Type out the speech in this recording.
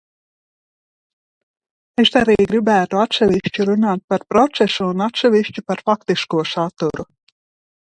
Es arī gribētu atsevišķi runāt par procesu un atsevišķi par faktisko saturu.